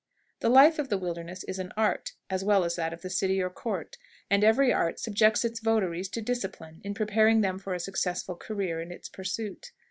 The life of the wilderness is an art as well as that of the city or court, and every art subjects its votaries to discipline in preparing them for a successful career in its pursuit.